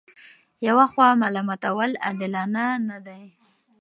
یوه خوا ملامتول عادلانه نه دي.